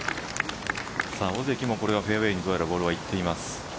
尾関もフェアウェーに捉えたボールがいっています。